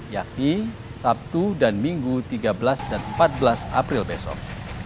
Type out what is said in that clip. yakni sabtu dan minggu tiga belas dan empat belas april besok